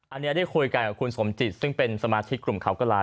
อันนี้ได้คุยกันกับคุณสมจิตซึ่งเป็นสมาชิกกลุ่มเขากระลา